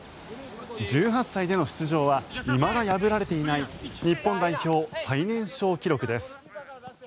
１８歳での出場はいまだ破られていない日本代表最年少記録です。